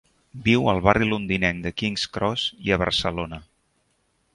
Viu al barri londinenc de King's Cross i a Barcelona.